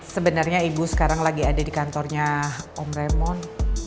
sebenernya ibu sekarang lagi ada di kantornya om raymond